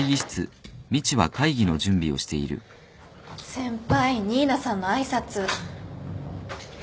先輩新名さんの挨拶。